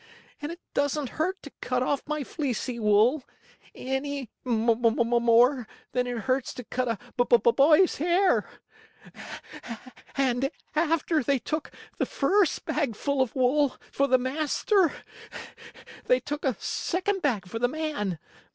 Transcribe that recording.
And it doesn't hurt to cut off my fleecy wool, any more than it hurts to cut a boy's hair. And after they took the first bag full of wool for the master they took a second bag for the man.